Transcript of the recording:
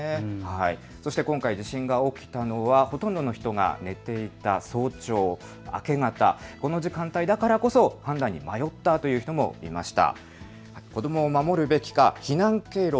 そして今回、地震が起きたのはほとんどの人が寝ていた早朝、明け方、この時間帯だからこそ判断に迷ったという人もいました。